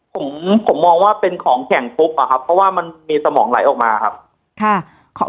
ผมผมมองว่าเป็นของแข็งปุ๊บอะครับเพราะว่ามันมีสมองไหลออกมาครับค่ะ